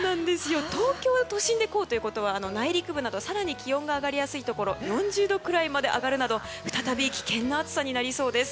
東京都心でこうということは内陸部など更に気温が上がりやすいところ４０度くらいまで上がるなど再び危険な暑さになりそうです。